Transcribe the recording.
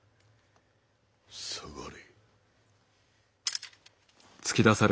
下がれ。